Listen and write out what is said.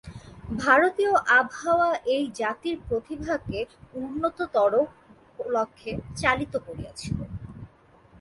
ভারতীয় আবহাওয়া এই জাতির প্রতিভাকে উন্নততর লক্ষ্যে চালিত করিয়াছিল।